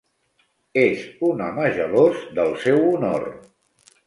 És un home gelós del seu honor.